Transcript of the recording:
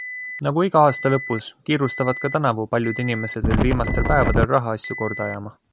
Nagu iga aasta lõpus, kiirustavad ka tänavu paljud inimesed veel viimastel päevadel rahaasju korda ajama.